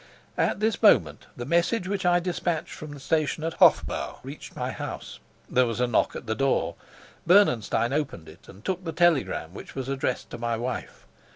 At this moment the message which I despatched from the station at Hofbau reached my house. There was a knock at the door. Bernenstein opened it and took the telegram, which was addressed to my wife.